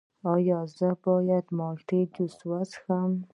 ایا زه باید د مالټې جوس وڅښم؟